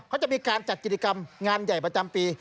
เขาจะมีการจัดกิจกรรมงานใหญ่ประจำปี